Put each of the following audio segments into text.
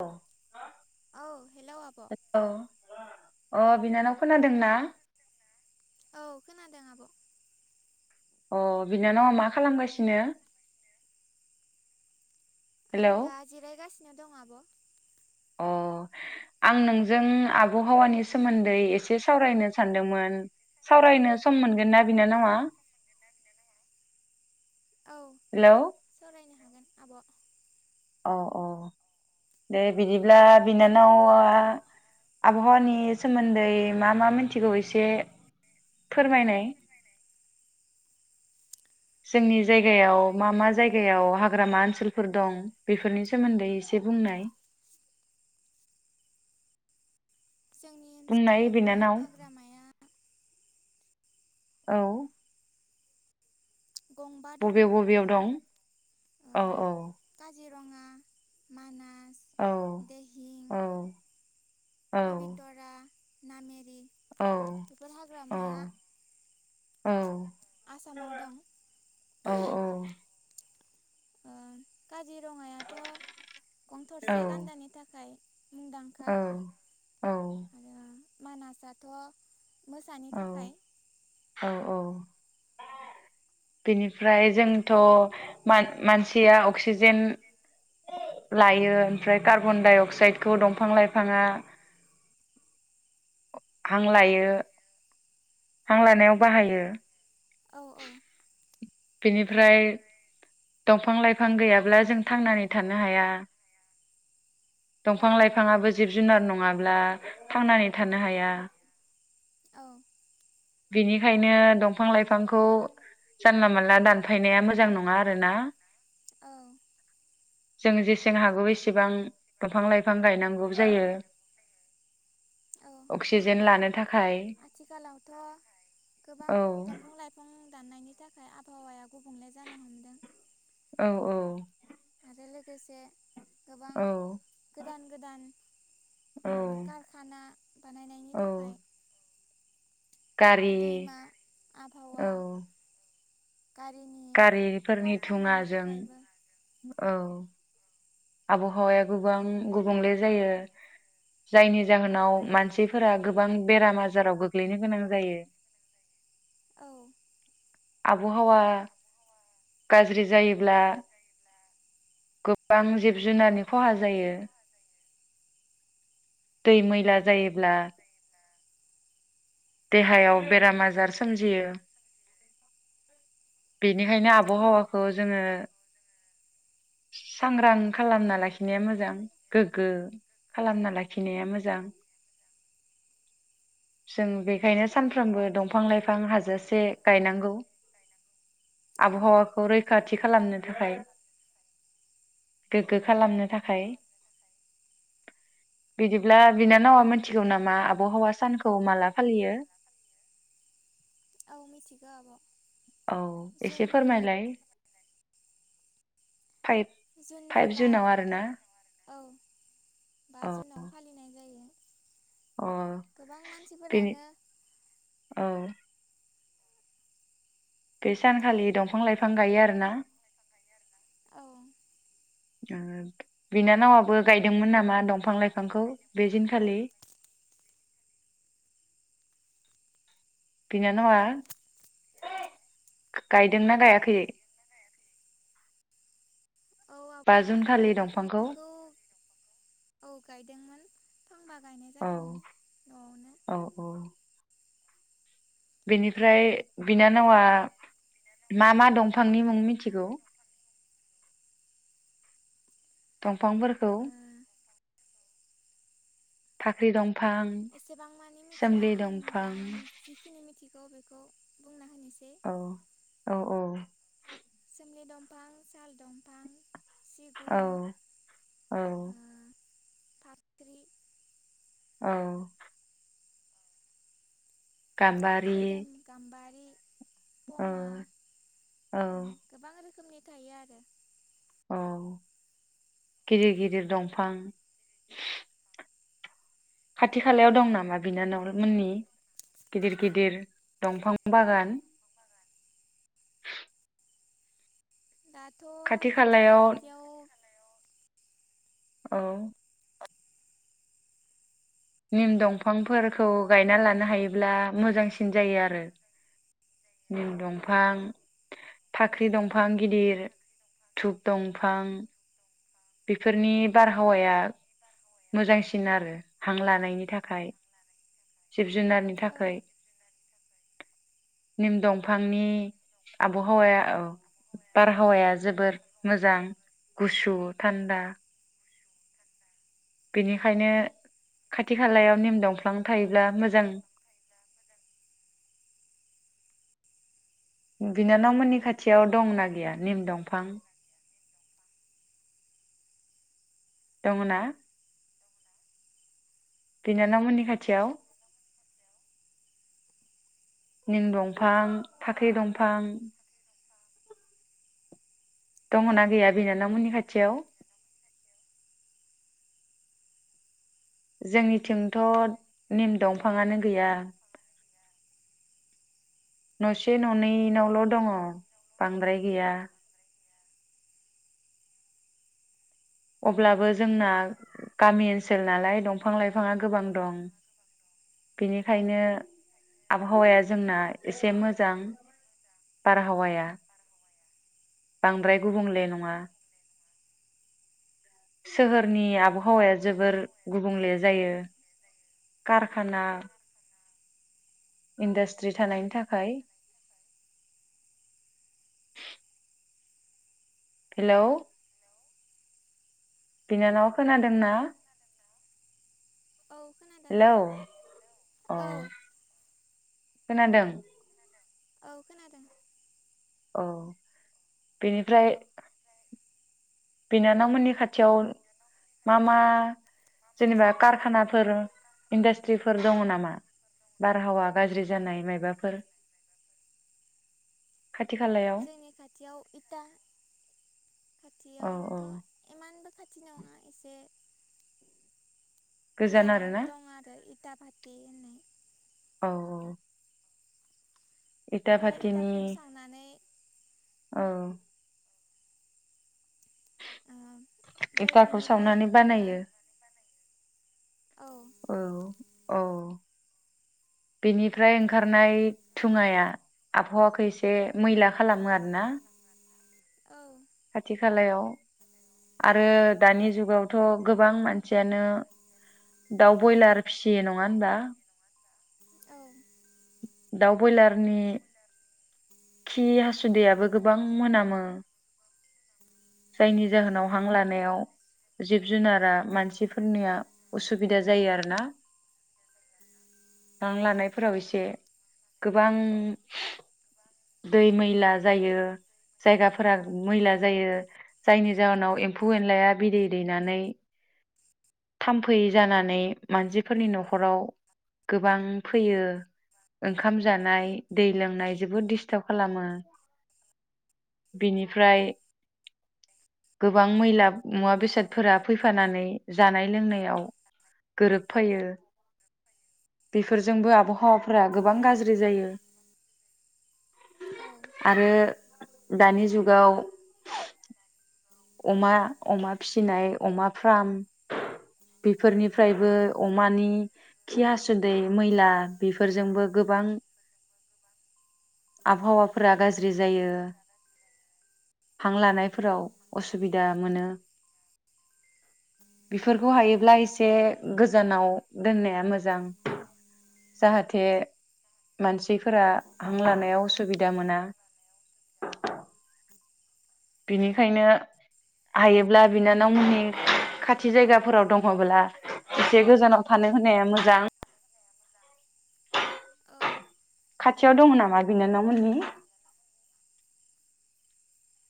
औ औ हेल' आब' अ बिनानाव खोनादों ना औ खोनादों आब' अ बिनानावा मा खालामगासिनो हेलौ आं दा जिरायगासिनो नो दं आब' अ आं नोंजों आबहावानि सोमोन्दै एसे सावरायनो सानदोंमोन सावरायनो सम मोनगोन ना बिनानावा औ हेलौ सावरायनो हागोन आब' औ औ दे बिदिब्ला बिनानावा आबहावानि सोमोन्दै मा मा मिथिगौ एसे फोरमायनाय जोंनि जायगायाव मा मा जायगायाव हाग्रामा ओनसोलफोर दं बेफोरनि सोमोन्दै एसे बुंनाय जोंनि बुंनाय ओनसोलावथ' बिनानाव हाग्रामाया औ गंबा दं बबेयाव बबेयाव दं ओ औ औ काजिरङा मानास औ दिहिं औ औ कबि थरा नाामेरि औ बेफोर हाग्रामाया औ आसामाव दं ओ काजिरङायाथ' गं थरसे गान्दानि थाखाय मुंदांखा औ औ मानासाथ' मोसानि थाखाय औ बेनिफ्राय जोंथ' मानसिया अक्सिजेन लायो ओमफ्राय कार्बन दडाइ अक्साइडखौ दंफां लाइफाङा हां लायो हां लानायाव बाहायो औ औ बिनिफ्राय दंफां लाइफां गैयाब्ला जों थांनानै थानो हाया औ दंफां लाइफाङाबो जिब जुनार नङाब्ला थांनानै थानो हाया औ बिनिखायनो दंफां लाइफांखौ जानला मोनला दानफायनाया मोजां नङा आरोना औ जों जेसे जों हागौ बेसेबां दंफां लाइफां गायनांगौ जायो औ अक्सिजेन लानो थाखाय आथिखालावथ' गोबां औ दंफां लाइफां दाननायनि थाखाय आबहावाया गुबुंले जानो हमदों औ औ आरो लोगोसे गोबां औ गोदान गोदान औ कारखाना बानायनायनि औ थाखाय गारि दैमा औ आबहावा गारिनि थाव गारिफोरनि खामनायनि दुङाजों थाखायबो औ आबहावाया गोबां गुबुंले जायो जायनि जाहोनाव मानसिफोरा गोबां बेराम आजाराव गोग्लैनो गोनां जायो औ आबहावा गाज्रि जायोब्ला गोबां जिब जुनारनि खहा जायो दै मैला जायोब्ला देहायाव बेराम आजार सोमजियो बेनिखायनो औ आबहावाखौ जोङो सांग्रां खालामना लाखिनाया मोजां गोग्गो खालामना लाखिनाया मोजां जों बेखायनो सानफ्रोमबो दंफां लाइफां हाजासे गायनांगौ औ आबहावाखौ रैखाथि खालामनो थाखाय गोग्गो खालामनो थाखाय बिदिब्ला बिनानावा मिथिगौ नामा आबहावा सानखौ माला फालियो ओं मिथिगौ आब' औ एसे जुननि फोरमायलाय फाइभ जुननि फाइभ बा जुनाव आरोना औ बा औ जुनाव फालिनाय जायो अ गोबां बेनि मानसिफोरानो औ बे सानखालि दंफां लाइफां गायो आरोना औ ओ बिनानावाबो गायदोंमोन नामा दंफां लाइफांखौ बे दिनखालि? बिनानावा गायदोंना गायाखैै? औ आब' दंफांखौ बिफांखौ औ गायदोंमोन फांबा गाय औ औ औ बिनिफ्राय बिनानावा मा मा दंफांनि मुं मिनथिगौ? फांफोरखौ ओ फाख्रि दं एसेबां मानि मिथिया आं दा दंफां आं जिखिनि मिथिग खौ बेखौ बुंना होनोसै औ औ औ सुमलि दमफां, साल दमफां औ औ ओ फाख्रि औ गाम्बारि खोदोम, गाम्बारि औ पमा औ उम गोबां रोखोमनि गायो आरो। औ गिदिर गिदिर दंफां। खाथि खालायाव दं नामा बिनानावमोननि गिदिर गिदिर दंफां बागान? दाथ' खाथि जोंनि खालायाव खाथियाव औ [inaudible] निम दंफांफोरखौ गायना लानो हायोब्ला मोजांसिन जायो आरो। निम दंफां फाख्रि दंफां गिदिर धुप दंफां। बेफोरनि बारहावाया मोजांसिन आरो हां लानायनि थाखाय। जिब जुनारनि औ थाखै। निम दंफांनि आबहावाया औ बारहावाया जोबोर मोजां गुसु थान्दा। बिनिखायनो खाथि खालायाव निम दंफ्लां थायोब्ला मोजां। बिनानाव मोननि खाथियाव दंना गैया निम दंफां। दङना? बिनानाव मोननि खाथियाव निं दंफां फाख्रि दंफां दङ ना गैया बिनानावमोननि खाथियाव? जोंनिथिंथ' निम दंफाङानो गैया। नसे ननैनावल' दङ बांद्राय गैया। अब्लाबो जोंना गामि ओनसोल नालाय दंफां लाइफाङा गोबां दं बिनिखायनो आबहावाया जोंना एसे मोजां बारहावाया। बांद्राय गुबुंले नङा। सोहोरनि आबहावाया जोबोर गुबुंले जायो कारखाना इन्डास्ट्रि थानायनि थाखाय। हेलौ बिनानावा खोनादोंना औ खोनादों हेलौ आब' अ औ खोनादों। औ खोनादों। औ बेनिफ्राय बिनानावमोननि खाथियाव मा मा जेनेबा कारखानाफोर इन्डास्ट्रिफोर दङ नामा बारहावा गाज्रि जानाय मायबाफोर खाथि खालायाव जोंनि खाथियाव इटा औ औ खाथियावथ' इमानबो खाथिनङा एसे गोजान गोजानाव आरोना दं आरो इटा भाटिहोननाय औ औ इटा बेवहाय भाटिनि इटाखौ सावनानै औ ओ बे एखाखौ बिनिफ्राय सावनानै ओ बानायो औ औ बेनिफ्राय ओंखारनाय थुङाया आबहावाखौ एसे मैला खालामो आरो ना औ खाथि खालायाव आरो दानि जुगावथ' गोबां मानसियानो दाउ ब्रयलार फिसियो नङा होनबा औ दाउ ब्रयलारनि खि हासुदैयाबो गोबां मोनामो जायनि जाहोनाव हां लानायाव जिब जुनारा मानसिफोरनिया उसुबिदा जायो आरो ना हां लानायफोराव एसे ए गोबां दै मैला जायो जायगाफोरा मैला जायो जायनि जाहोनाव एम्फौ एनलाया बिदै दैनानै थाम्फै जानानै मानसिफोरनि न'खराव गोबां फैयो ओंखाम जानाय दै लोंनाय जोबोद दिसटार्ब खालामो बिनिफ्राय गोबां मैला मुवा बेसादफोरा फैफानानै जानाय लोंनायाव गोरोबफैयो बेफोरजोंबो आबहावाफोरा गोबां गाज्रि जायो औ आरो दानि जुगाव अमा अमा फिसिनाय अमा फार्म बेफोरनिफ्रायबो अमानि खि हासुदै मैला बेफोरजोंबो गोबां आबहावाफोरा गाज्रि जायो हां लानायफोराव असुबिदा मोनो बेफोरखौ हायोब्ला एसे गोजानाव दोननाया मोजां जाहाथे मानसिफोरा हां लानायाव उसुबिदा मोना बिनिखायनो हायोब्ला बिनानावमोननि खाथि जायगाफोराव दङब्ला एसे गोजानाव थानो होनाया मोजां औ खाथियाव दङ नामा बिनानावमोननि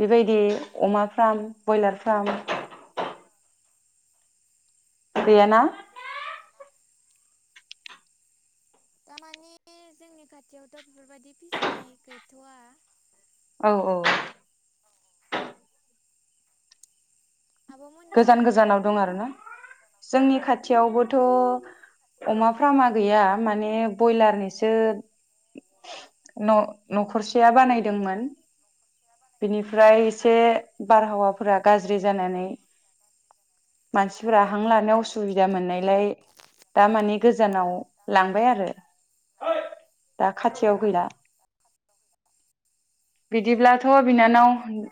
बेबायदि अमा फ्राम ब्रयलार फ्राम गैयाना दा मानि जोंनि खाथियावथ' बेफोरबायदि फिसिनाय गैथ'वा औ औ आब'मोननि जा गोजान गोजानाव नामा दं आरोना जोंनि खाथियावबोथ' औ अमा फा फार्मा गैया माने ब्रयलारनिसो न' न'खरसेया बानायदोंमोन बेनिफ्राय एसे औ बारहावाफोरा गाज्रि जानानै मानसिफोरा हां लानायाव उसुबिदा मोननायलाय दा माने गोजानाव लांबाय आरो दा औ खाथियाव गैला बिदिब्लाथ' बिनानाव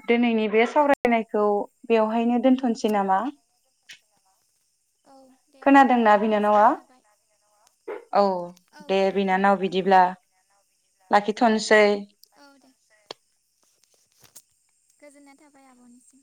दिनैनि बे सावरायनायखौ बेवहायनो दोनथ' नोसै नामा औ दे आब' खोनादोंना बिनानावा गोजोननाय थाबाय औ औ दे खोनादों बिनानाव बिदिब्ला लाखिथ'नोसै औ दे गोजोननाय थाबाय आब'निसिम